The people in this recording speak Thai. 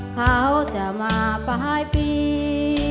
เขาจะมาปลายปี